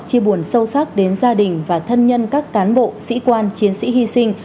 chia buồn sâu sắc đến gia đình và thân nhân các cán bộ sĩ quan chiến sĩ hy sinh